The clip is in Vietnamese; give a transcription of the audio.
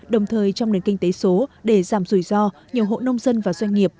đồng thời trong nền kinh tế số để giảm rủi ro nhiều hộ nông dân và doanh nghiệp